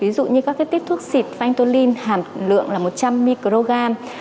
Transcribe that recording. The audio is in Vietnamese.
ví dụ như các tiếp thuốc xịt phanh tôn linh hàm lượng là một trăm linh microgram